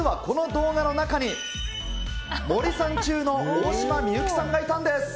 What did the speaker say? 実はこの動画の中に、森三中の大島美幸さんがいたんです。